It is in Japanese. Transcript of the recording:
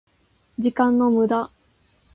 時間の無駄